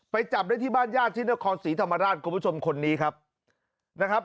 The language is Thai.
จับได้ที่บ้านญาติที่นครศรีธรรมราชคุณผู้ชมคนนี้ครับนะครับ